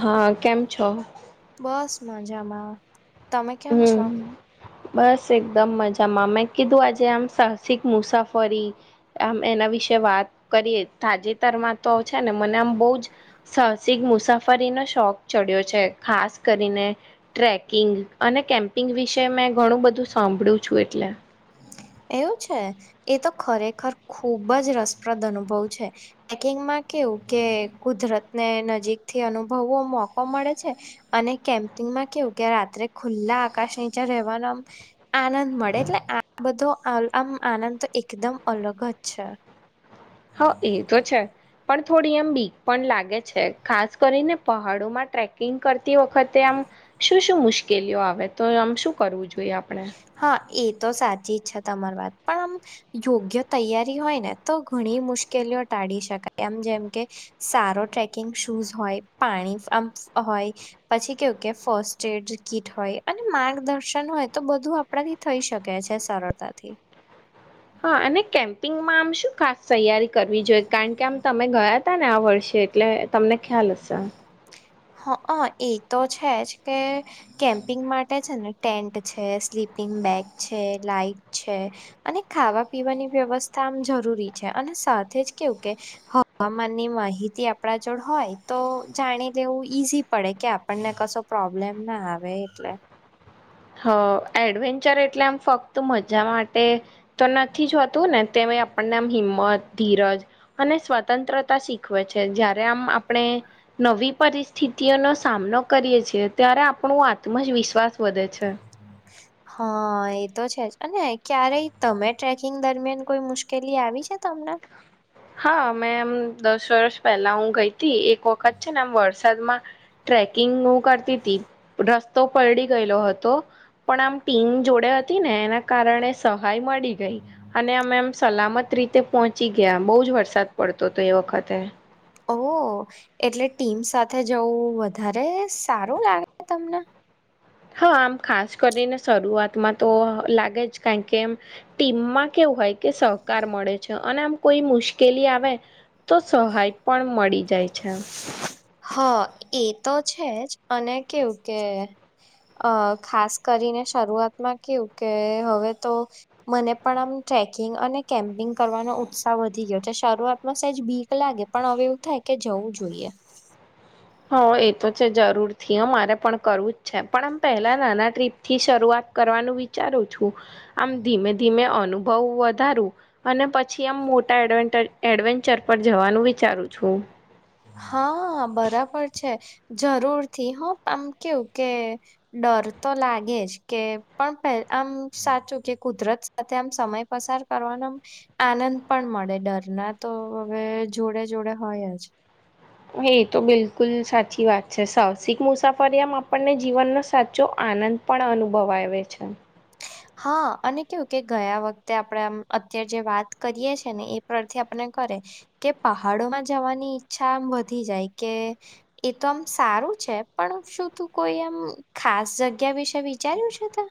હા, કેમ છો? બસ મજામાં. તમે કેમ છો? દમ મજામાં મેં કીધું આજે આમ સાહસિક મુસાફરી આમ એના વિશે વાત કરીએ તાજેતર માં તો છે ને મને આમ બઉ જ સાહસિક મુસાફરીનોો શોખ ચડ્યો તો છે ખાસ કરીને ટ્રેકિંગ અને કેમ્પિંગ વિશે મેં ઘણું બધું સાંભળું છું એટલે એવું છે એ તો ખરેખર ખુબ જ રસપ્રદ અનુભવ છે પકિંગમાં કેવું કે કુદરત ને નજીકથી અનુભવવો મોકો મળે છે અને કેમ્પિં એમાં કેવું કે રાત્રે ખુલ્લા આકાશ નીચે રેવાનો આમ આનંદ મળે એટલે આ બધો હાલ આમ આનંદ તો એકદમ અલગ જ છે. હા, એ તો છે. પણ થોડી એમ બીક પણ લાગે છે ખાસ કરીને પહાડોમાં ટ્રેકિંગ કરતી વખતે આમ શું શું મુશ્કેલીઓ આવે તો આમ શું કરવું જોઈએ? આપણે. હા એ તો સાચી જ છે તમાર વાત પણ આમ યોગ્ય તૈયારી હોય ને તો ઘણી મુશ્કેલીઓ ટા તાડી શકાય આમ જેમ કે સારો ટ્રેકિંગ શૂઝ હોય પાણી આમ હોય પછી કેવું કે ફર્સ્ટ એડ કીટ હોય અને માર્ગદર્શન હોય તો બધું આપણાથી થઈ શકે છે સરળતાથી. હા, અને કેમ પિંગમાં આમ શું ખાસ તૈયારી કરવી જોઈએ કારણ કે આમ તમે ગયા હતા ને આ વર્ષે એટલે તમને ખ્યાલ લસન હક એ તો છે જ કે કેમ્પિંગ માટે છે ને ટેન્ટ છે સ્લીપ થીન બેગ છે લાઈટ છે અને ખાવા પીવાની વ્યવસ્થા આમ જરૂરી છે અને સાથે જ કેવું કે હવામાનની માહિતી આપણા જોડ હોય તો જાણી જેવું ઈઝી પડે કે આપણને કશો પ્રોબ્લેમ ના આવે એટલે. હ એડવેન્ચર એટલે આમ ફક્ત મજા માટે તો નથી જ હોતું ને તેમે તે આપણને આમ હિંમત ધીરજ અને સ્વતંત્રતા શીખવે છે જ્યારે આમ આપણે નવી પરિસ્થિતિઓનો સામનો કરીએ છીએ ત્યારે આપણું આત્મજ વિશ્વાસ વધે છે. હ હા, એ તો છે જ અને ક્યારેય તમે ટ્રેકિંગ દરમિયાન કોઈ મુશ્કેલી આવી છે તમને. હા, મેં એમ દસ વર્ષ પહેલા હું ગઈ હતી એક વખત છે ને એમ વર્ષ તરમાં ટ્રેકિંગ કરતી હતી રસ્તો પલડી ગયેલો હતો પણ આમ પીન જોડે હતી ને એના કારણે સ ભાઈ મળી ગઈ અને અમે એમ સલામત રીતે પહોંચી ગયામ બહુ જ વરસાદ પડતો તો એ વખતે ઓ એટલે ટીમ સાથે જવું વધારે સારું લાગે તમને? હા, આમ ખાસ કરીને શરૂઆતમાં તો લાગે જ કાન કેમ ટીમમાં કે તો હોય કે સહકાર મળે છે અને આમ કોઈ મુશ્કેલી આવે તો સહાય પણ મળી જાય છ હા, એ તો છે જ અને કેવું કે અ ખાસ કરીને શરૂઆતમાં કેવું કે, હવે તો મને પણ આમ ટ્રેકિંગ અને કેમ્પિંગ કરવાનો ઉત્સાહ વધી ગ્યો છે શરૂઆતમાં સહેજ બીક લાગે પણ હવે એવું થાય કે જવું જો જોઈએ. હ એ તો છે જરૂર થી અમારે પણ કરવું જ છે પણ આમ પહેલા નાના ટ્રીપ થી શરૂઆત કરવાનું વિચારું છું આમ ધીમે ધીમે અનુભવ વધારું અને પછી આમ મોટા એડવેન્ટર એડવેન્ચર પર જવાનું વિચારું છું. હા બરાબર છે જરૂર થી હું આમ કેવું કે ડર તો લાગે જ કે આમ પે આમ સાચું કે કુદરત સાથે આમ સમય પસાર કરવાનો આમ આનંદ પણ મ આપડે ડરના તો હવે જોડે જોડે હોય જ. એ તો બિલકુલ સાચી વાત છે સાહસિક મુસાફરી આમ આપણને જીવનનો સાચો આ આનંદ પણ અનુભવાય આવે છે. હા, અને કેવું કે ગયા વખતે આપણે આમ અત્યારે જે વાત કરીએ છે ને એ પરથી આપને કરે કે પહાડોમાં જવાની ઈચ્છા આમ વધી જાય કે એ તો આમ સારું શું છે? પણ શું તું કોઈ આમ ખાસ જગ્યા વિશે વિચાર્યું છે તે?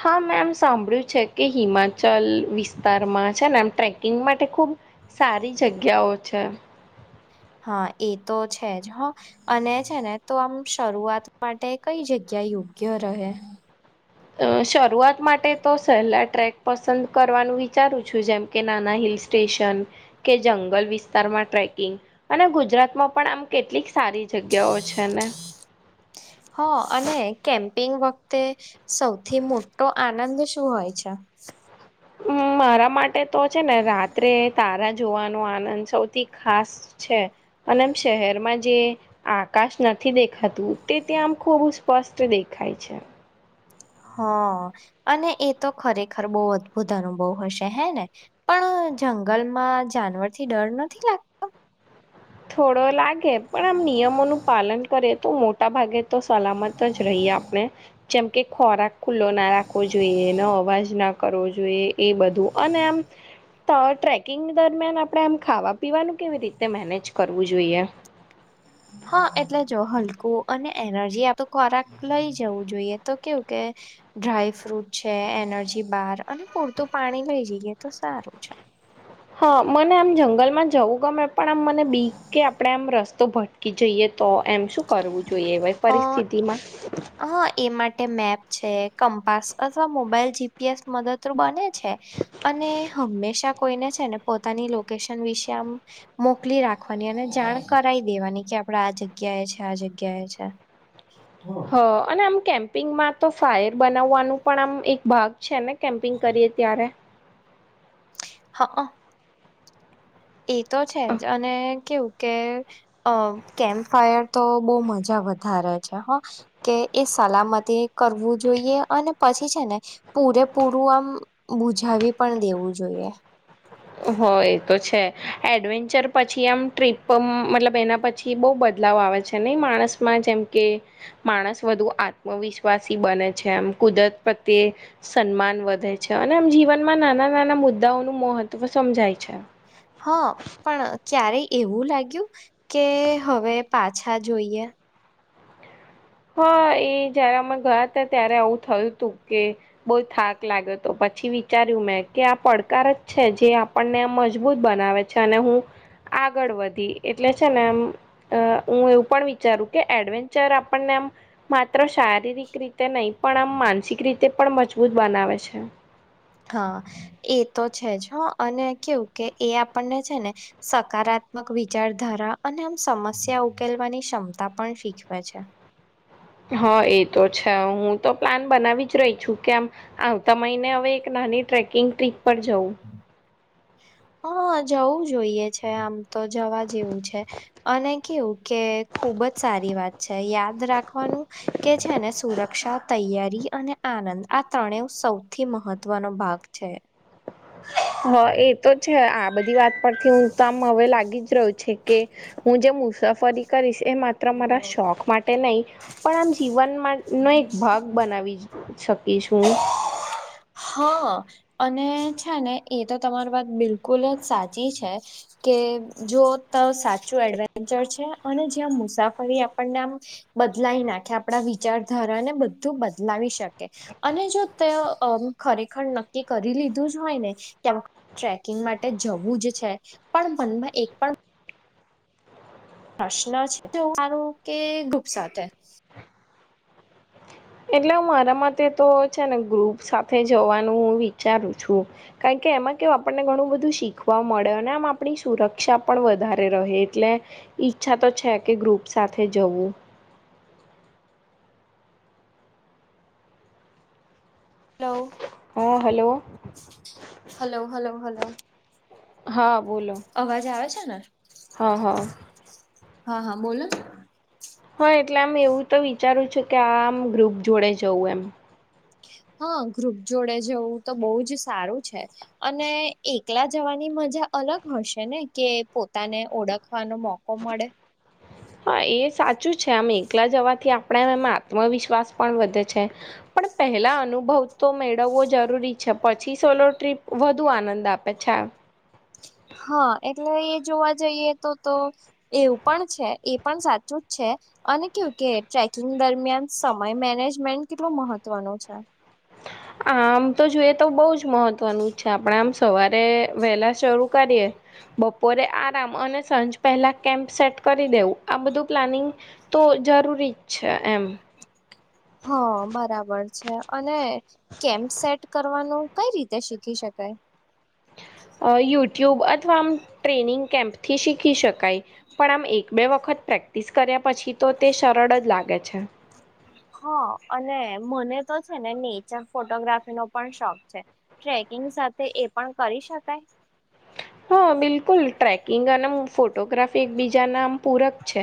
હા મેમ સાંભળ્યું છે કે હિમાચલ વિશ વિસ્તારમાં છે ને આમ ટ્રેકિંગ માટે ખુબ સારી જગ્યાઓ છે. હહ એ તો છે જ હહ અને છે ને તો આમ શરૂઆત માટે કઈ જગ્યા યા યોગ્ય રહે? અ શરૂઆત માટે તો સહેલા ટ્રેક પસંદ કરવાનું વિચારું છું જેમ કે નાના હિ લ સ્ટેશન કે જંગલ વિસ્તારમાં ટ્રેકિંગ અને ગુજરાતમાં પણ આમ કેટલીક સારી જગ્યાઓ છે ને? હા અને કેમ્પિંગ વખતે સૌથી મોટો આનંદ શું હોય છે? અમ મારા માટે તો છે ને રાત્રે તારા જોવાનો આનંદ સૌથી ખાસ છે. અને આમ શહેરમાં જે આકાશ ન નથી દેખાતું તે ત્યાં આમ ખૂબ સ્પષ્ટ દેખાય છે. હહ અને એ તો ખરેખર બહુ અદ્ભુત અનુભવ હશે હે ને? પણ પણ જંગલમાં જાનવરથી ડર નથી લાગતો? [inaudible] થોડો લાગે. પણ આમ નિયમોનું પાલન કરે તો મોટા ભાગે તો સલામત જ રહી એ આપને જેમ કે ખોરાક ખુલ્લો ના રાખવો જોઈએ, એનો અવાજ ના કરવો જોઈએ એ બધ બધું અને આમ ત ટ્રેકિંગ દરમિયાન આપણે આમ ખાવા પીવાનું કેવી રીતે મેનેજ કરવું જોઈએ. હહ એટલે જો હલકું અને એનર્જી આતો ખોરાક લઇ જવું જોઈએ તો કેવું કે ડ્રાયફ્રૂટ છે, એનર્જી બાર, અને પૂરતું પાણી લઈ જઈએ તો સારું છે. હહ મને આમ જંગલમાં જવું ગમે પણ આમ મને બીક કે આપણેે આમ રસ્તો ભટકી જઈએ. તો એમ શું કરવું જોઈએ વે પરિસ્થિતિમાં? હહ એ માટે મેપ છે, કમ્પાસ અથવા મોબાઈલ જીપીએસ મદદરૂ બને છે. અને હંમેશા અને કોઈને છે ને પોતાની લોકેશન વિશે આમ મોકલી રાખવાની અને જાણ કરાઈ દેવાની. કે આપડે આ જગ્યાએ છે, આ જગ્યાએ છે. [inaudible] હહ અને આમ કેમ્પિંગમાં તો ફાયર બનાવવાનું પણ આમ એક ભાગ છે ને કેમ્પિંગ કરીએ ત્યારે? હહ અ એ તો છે જ અને કેવું કે અ કેમ્પ ફાયર તો બહુ મજા વધારે છે હ કે એ સ સલામતે કરવું જોઈએ અને પછી છે ને પૂરે પૂરું આમ મુજાવી પણ દેવું જોઈએ. [unintelligible] હહ એ તો છે એડવેન્ચર પછી આમ ટ્રીપ મતલબ એના પછી બહુ બદ લાવ આવે છે નહીં માણસમાં જેમ કે માણસ વધુ આત્મવિશ્વાસી બને છે એમ. કુદરત પ્રત્યે સન્માન વધે છે, અને આમ જીવનમાં નાના નાના મુદ્દાઓનું મહ ત્વ સમજાય. છે હહ પણ ચારે એવું લાગ્યું કે હવે પાછા જોઈએ? હહ એ જયારે અમે ગયા તા ત્યારે આવું થયું તું કે બહુ થાક લાગ્યો તો પછ પછી વિચાર્યું મેં કે આ પડકાર જ છે, જે આપણને મજબૂત બનાવે છે, અને હું આગળ વધી એટલે છે ને એમ અ હું એવું પણ વિચારું કે એડવેન્ચર આપ પણને આમ માત્ર શારીરિક રીતે નહીં પણ આમ માનસિક રીતે પણ મજબૂત બનાવે છે. [inaudible] હા એ તો છે જ હહ અને કેવું કે એ આપણને છે ને સકારાત ત્મક વિચારધારા અને આમ સમસ્યા ઉકેલવાની ક્ષમતા પણ શીખવે છે. [inaudible] હા એ તો છે હું તો પ્લાન બનાવી જ રહી છું કે આમ આવતા મહિને હવે એક ના ની ટ્રેકિંગ ટ્રીપ પર જવું હા, જવું જોઈએ છે આમ તો જવા જેવું છે અને કેવું કે ખુબ જ સારી વાત છે. યાદ રાખવાનું કે છે ને સુરક્ષા તૈયારી અને આ નંદ આ ત્રણે સૌથી મહત્વનો ભાગ છે. હા, એ તો છે આ બધી વાત પરથી હું તો આમ હવે લાગી જ રહ્યો છે કે હું જેમ મુસાફરી કરીશ એ માત્ર મારા શોખ માટે નહીં પણ આમ જીવનમાંનો એક ભાગ બનાવી શક હા. અને છે ને એ તો તમારી વાત બિલકુલ જ સાચી છે કે જો તો સાચું એડવેન્ચર છે અને જ્યાં મુસાફરી આપણને આમ બદલાઈ નાખે આપણા વિચારધારા ને બધું બદલાવી શકે. અને જો તે અમ્મ ખરેખર નક્કી કરી લીધું જ હોય ને [inaudible] ટ્રેકિંગ માટે જવું જ છે પણ મનમાં એક પણ પ્રશ્ન છે તો મારું કે ગુપ સાથે એટલે હું મારા માટે તો છે ને ગ્રુપ સાથે જવાનું હું વિચારું છું. કારણ કે એમાં કેવ આપણને ઘણું બધું શીખવા મળે અને આમ આપણી સુરક્ષા પણ વધારે રહે એટલે ઈચ્છા તો છે કે ગ્રુપ સાથે જવું. હલો હા, હલો. હલો, હલો, હલો હા બોલો અવાજ આવે છે? ને હા હા હા, હા, બોલ ને. હા, એટલે આમ એવું તો વિચારું છેું કે આમ ગ્રુપ જોડે જવું એમ. હા ગ્રુપ જોડે જવું તો બહુ જ સારું છે અને એકલા જવાની મ જા અલગ હશે ને કે પોતાને ઓળખવાનો મોકો મળે. હા, એ સાચું છે આમ એકલા જવાથી આપણા એમાં આત્મવિશ્વાસ પણ વધે છે. પણ પહેલા અનુભવ તો મેળવવો જર રૂરી છે પછી સોલો ટ્રીપ વધુ આનંદ આપે છે. હા એટલે એ જોવા જઈએ તો તો એવું પણ છે એ પણ સાચું જ છે અને કેવું કે ટ્રેકિંગ દરમિયાન સમય મેનેજમેન્ટ કેટલું મહત્વનું છે. આમ તો જોઈએ તો બહુ જ મહત્વનું જ છે આપણે આમ સવારે વહેલા શરૂ કરીએ બપોરે આરામ અને સાંજ પહેલા કેમ્પ સેટ કરી દેવું આ બધું પ્લાનિંગ તો જરૂરી જ છે એમ. હા બરાબર છે અને કેમ્પ સેટ કરવાનું કઈ રીતે શીખી શક કઈ અહ યુટ્યુબ અથવા આમ ટ્રેનિંગ કેમ્પથી શીખી શકાય પણ આમ એક બે વખત પ્રેક્ટિસ કર્યા પછી તો તે સરળ જ લાગે છે. હા અને મને તો છે ને નેચર ફોટોગ્રાફીનો પણ શોખ છે ટ્રેકિંગ સાથે એ પણ કરી શકાય? હા બિલકુલ ટ્રેકિંગ અનેમ ફોટોગ્રાફી એકબીજા ના આમ પૂરક છે.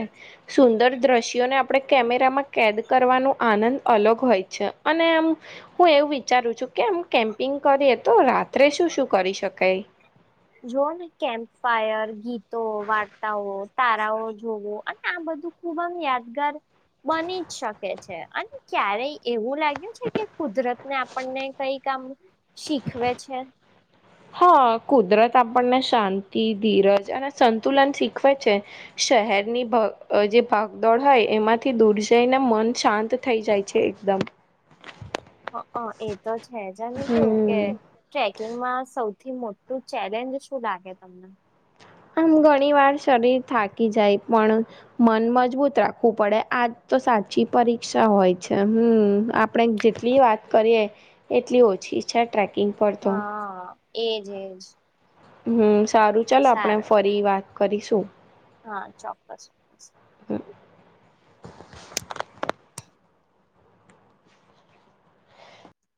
સુંદર દ્રશ્યોને આપણે કેમેરામાં કેદ કરવાનો આનંદ અલગ હોય છે. અને આમ હું એ વું વિચારું છું કેમ કેમ્પિંગ કરીએ તો રાત્રે શું શું કરી શકાય. જોઓ ને કેમ્પ ફાયર ગીતો વાર્તાઓ તારાઓ જોવો અને આ બધું ખુબ આમ યાદગાર બની જ શકે છે અને ક્યારેય એવું લાગ્યું છે કે કુદરતને આપણને કઈક આમ શીખવે છે? હા, કુદરત આપણને શાંતિ, ધીરજ અને સંતુલન શીખવે છે શહેરની ભઅ જે ભાગદોડ હોય એમાંથી દૂર જઈને મન શાંત થઈ જાય છે એકદમ. હ અહ એ તો છે જ અને કેવું કે હમ ટ્રેકિંગમાં સૌ થી મોટું ચેલેન્જ શું લાગે તમને? આમ ઘણી વાર શરીર થાકી જાય પણ, મન મજબૂત રાખવું પડે આ તો સાચી પરીક્ષા હોય છે હમ આપણે જેટલી વાત કરીએ, એટલી ઓછી છે. ટ્રેકિંગ પરત તો. હા એજ એજ. હમ સારું ચાલો આપણે સારું ફરી વાત કરીશું. હા ચોક્કસ ચોક્કસ.